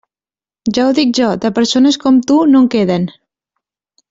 Ja ho dic jo; de persones com tu, no en queden.